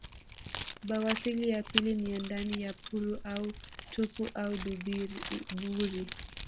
Bawasili ya pili ni ya ndani ya puru au tupu au duburi